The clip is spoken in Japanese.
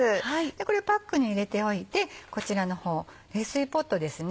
これをパックに入れておいてこちらの方冷水ポットですね。